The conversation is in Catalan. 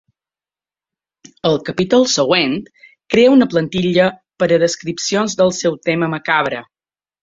Al capítol següent, crea una plantilla per a descripcions del seu tema macabre.